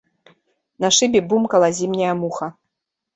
На шыбе бумкала зімняя муха.